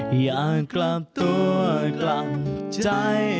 อยากกลับตัวกลับใจ